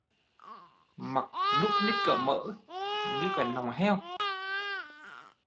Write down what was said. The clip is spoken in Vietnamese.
Mặt núc ních cả mỡ, như cái nọng heo